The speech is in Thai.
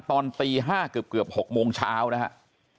ตอนตี๕เกือบ๖โมงเช้านะครับ